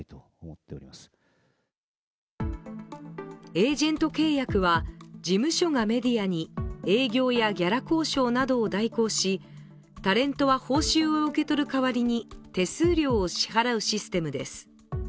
エージェント契約は事務所がメディアに営業やギャラ交渉などを代行し、タレントは報酬を受け取る代わりに手数料を支払うシステムです。